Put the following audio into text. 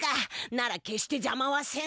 なら決してじゃまはせん。